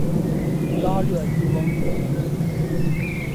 拉热伊翁。